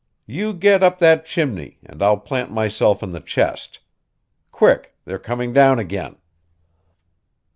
You get up that chimney and I'll plant myself in the chest. Quick, they're coming down again."